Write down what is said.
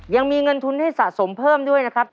ยังมีเงินทุนให้สะสมเพิ่มด้วยนะครับ